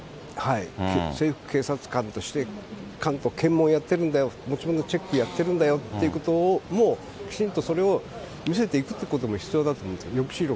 政府警察官として、検問やってるんだよ、持ち物チェックやってるんだよということも、きちんとそれを見せていくということも必要だと、抑止力。